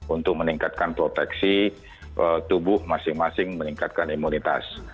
untuk meningkatkan proteksi tubuh masing masing meningkatkan imunitas